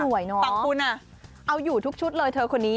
สวยเนอะตังปุ๊นอะเอาอยู่ทุกชุดเลยเธอคนนี้